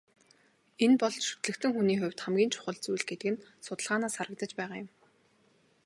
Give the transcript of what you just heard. Энэ бол шүтлэгтэн хүний хувьд хамгийн чухал зүйл гэдэг нь судалгаанаас харагдаж байгаа юм.